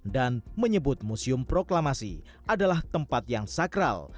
dan menyebut museum proklamasi adalah tempat yang sakral